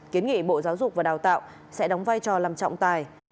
kiến nghị bộ giáo dục và đào tạo sẽ đóng vai trò làm trọng tài